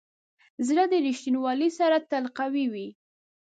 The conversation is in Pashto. زړه د ریښتینولي سره تل قوي وي.